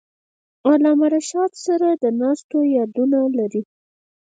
علامه رشاد سره د ناستو یادونه لري.